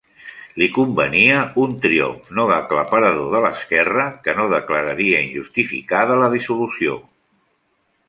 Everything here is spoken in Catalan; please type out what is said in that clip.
Li convenia un triomf no aclaparador de l'esquerra, que no declararia injustificada la dissolució.